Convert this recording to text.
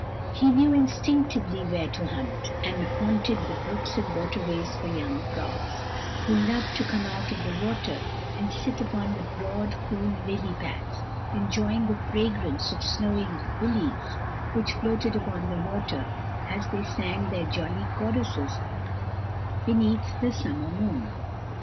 He knew instinctively where to hunt, and haunted the brooks and waterways for young frogs, who loved to come out of the water and sit upon the broad, cool lily pads enjoying the fragrance of snowy lilies which floated upon the water, as they sang their jolly choruses beneath the summer moon.